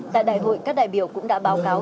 tại đại hội các đại biểu cũng đã báo cáo